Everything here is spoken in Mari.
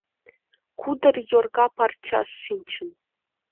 Кудыр йорга парчаш шинчын.